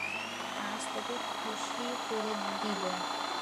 আজ তোকে খুশি করে দিবো।